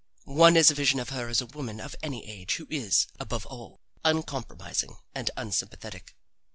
One is a vision of her as a woman of any age who is, above all, uncompromising and unsympathetic.